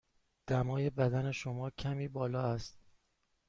دمای بدن شما کمی بالا است.